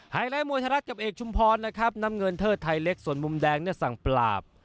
ไลท์มวยไทยรัฐกับเอกชุมพรนะครับน้ำเงินเทิดไทยเล็กส่วนมุมแดงเนี่ยสั่งปราบ